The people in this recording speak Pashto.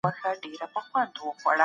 ولي کندهار کي صنعتي تولید زیاتېږي؟